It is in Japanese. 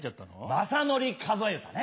雅紀数え歌ね。